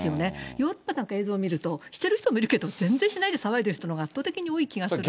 ヨーロッパなんか見ると、してる人もいるけど、全然してないで騒いでる人のほうが圧倒的に多い気がするので。